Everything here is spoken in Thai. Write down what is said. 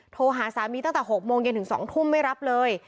โทรหาสามีตั้งแต่๖โมงเย็นถึง๒ทุ่มไม่รับเลย